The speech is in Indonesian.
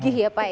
digih ya pak ya